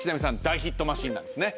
大ヒットマシンなんですね？